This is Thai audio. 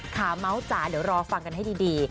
เมาส์จ๋าเดี๋ยวรอฟังกันให้ดี